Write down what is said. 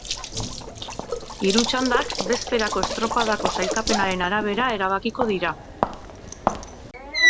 Hiru txandak bezperako estropadako sailkapenaren arabera erabakiko dira.